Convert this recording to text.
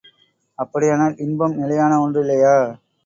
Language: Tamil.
அப்படியானால் இன்பம் நிலையான ஒன்றில்லையா?